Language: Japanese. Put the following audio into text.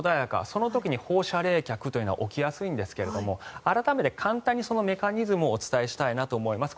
その時に放射冷却というのは起きやすいんですが改めてそのメカニズムを簡単に説明したいと思います。